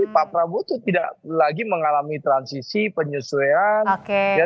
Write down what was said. pak prabowo itu tidak lagi mengalami transisi penyesuaian